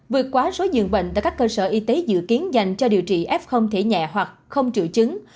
vượt quá số dường bệnh tại các cơ sở y tế dự kiến dành cho điều trị f thể nhẹ hoặc không triệu chứng